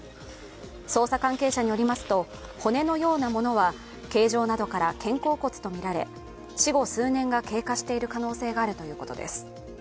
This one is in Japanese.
捜査関係者によりますと骨のようなものは形状などから肩甲骨とみられ、死後数年が経過している可能性があるということです。